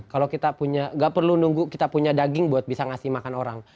kalau kita punya gak perlu nunggu kita punya daging buat bisa ngasih makan orang